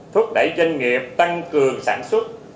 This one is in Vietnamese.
thúc đẩy doanh nghiệp tăng cường sản xuất